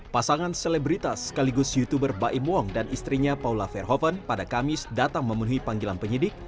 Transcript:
pasangan selebritas sekaligus youtuber baim wong dan istrinya paula verhoeven pada kamis datang memenuhi panggilan penyidik